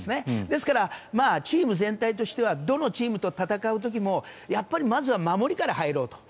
ですから、チーム全体としてどのチームと戦う時もやっぱりまずは守りから入ろうと。